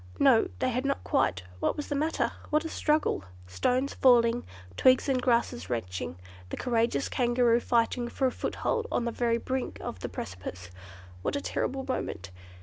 No! they had not quite: what was the matter? What a struggle! Stones falling, twigs and grasses wrenching, the courageous Kangaroo fighting for a foothold on the very brink of the precipice. What a terrible moment!